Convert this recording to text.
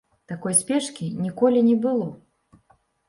Такой спешкі ніколі не было.